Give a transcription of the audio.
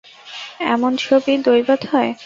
এমন ছবি দৈবাৎ হয়।